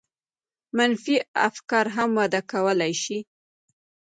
منفي افکار هم وده کولای شي.